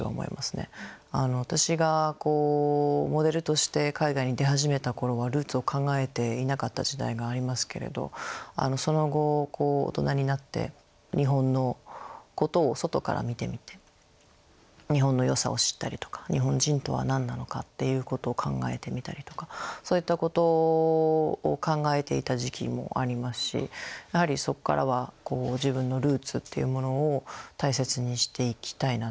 私がモデルとして海外に出始めた頃はルーツを考えていなかった時代がありますけれどその後大人になって日本のことを外から見てみて日本のよさを知ったりとか日本人とは何なのかっていうことを考えてみたりとかそういったことを考えていた時期もありますしやはりそこからは自分のルーツっていうものを大切にしていきたいなって。